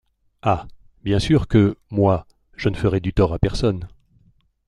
Ah! bien sûr que, moi, je ne ferai du tort à personne.